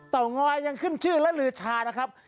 เตางอยยังขึ้นชื่อและลือชานะครับ